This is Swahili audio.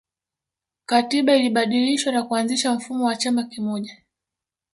katiba ilibadilishwa na kuanzisha mfumo wa chama kimoja